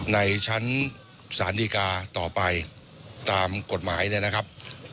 ในชั้นศาลดีกาต่อไปตามกฎหมายเนี่ยนะครับ